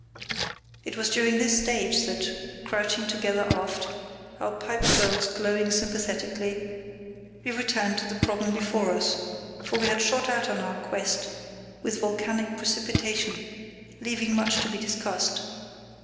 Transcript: It was during this stage that, crouching together aft, our pipe bowls glowing sympathetically, we returned to the problem before us; for we had shot out on our quest with volcanic precipitation, leaving much to be discussed.